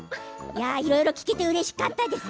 いろいろ聞けてうれしかったです。